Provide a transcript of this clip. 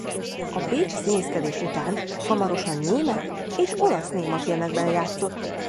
A bécsi színészkedés után hamarosan német és olasz némafilmekben játszott.